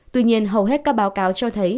tuy nhiên hầu hết các báo cáo cho thấy